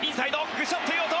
グシャッという音！